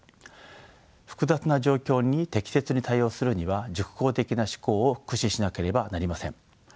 複雑な状況に適切に対応するには熟考的な思考を駆使しなければなりません。